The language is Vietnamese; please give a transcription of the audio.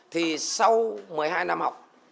thì sau một mươi hai năm học